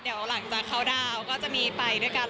เดี๋ยวหลังจากเข้าดาวน์ก็จะมีไปด้วยกัน